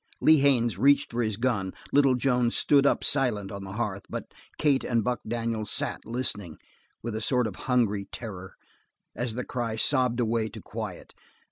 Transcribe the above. Lee Haines reached for his gun, little Joan stood up silent on the hearth, but Kate and Buck Daniels sat listening with a sort of hungry terror, as the cry sobbed away to quiet.